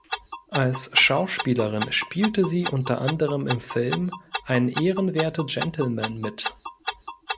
Als Schauspielerin spielte sie unter anderem im Film "Ein ehrenwerter Gentleman" mit.